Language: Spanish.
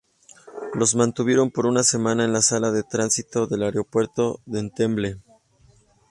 Los mantuvieron por una semana en la sala de tránsito del Aeropuerto de Entebbe.